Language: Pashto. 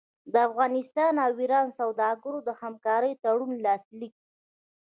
د افغانستان او ایران سوداګرو د همکارۍ تړون لاسلیک